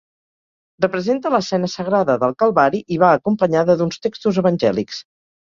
Representa l’escena sagrada del Calvari i va acompanyada d'uns textos evangèlics.